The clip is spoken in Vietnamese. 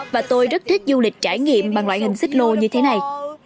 và tôi rất thích du lịch trải nghiệm bằng loại hình xích lô như thế này